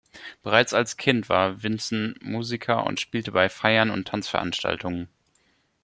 Bereits als Kind war Vinson Musiker und spielte bei Feiern und Tanzveranstaltungen.